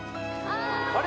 あれ？